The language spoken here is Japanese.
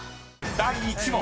［第１問］